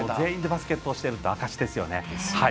全員でバスケットをしている証しですよね。